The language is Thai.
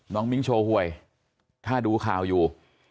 มิ้งโชว์หวยถ้าดูข่าวอยู่